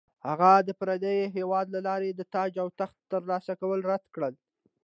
هغه د پردي هیواد له لارې د تاج او تخت ترلاسه کول رد کړل.